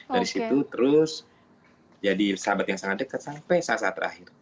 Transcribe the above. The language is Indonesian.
dari situ terus jadi sahabat yang sangat dekat sampai saat saat terakhir